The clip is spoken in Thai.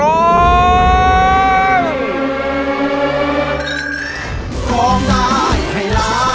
โปรดติดตามตอนต่อไป